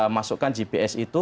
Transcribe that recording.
memasukkan gps itu